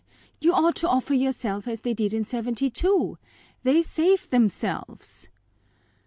You ought to offer yourself as they did in '72; they saved themselves."